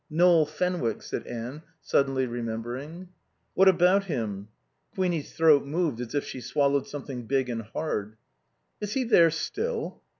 "Noel Fenwick," said Anne, suddenly remembering. "What about him?" Queenie's throat moved as if she swallowed something big and hard. "Is he there still?"